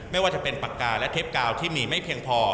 ไม่ว่าจะเป็นปากกาและเทปกาวที่มีไม่เพียงพอ